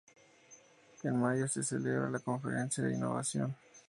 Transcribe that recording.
En mayo se celebra la Conferencia de Innovación.